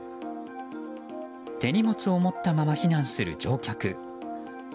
手荷物を持ったまま避難する乗客。